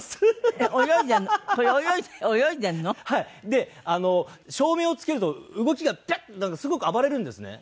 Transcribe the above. で照明をつけると動きがピャッとなってすごく暴れるんですね。